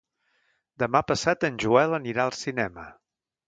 Demà passat en Joel anirà al cinema.